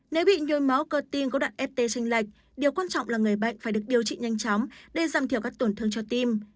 nếu bị nhồi máu cơ tim có đoạn ft tranh lệch điều quan trọng là người bệnh phải được điều trị nhanh chóng để giảm thiểu các tổn thương cho tim